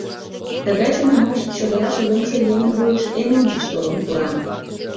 Тыгай шонымаш чодыраш йомшо еҥын вуйыш эн ончыч толын пура.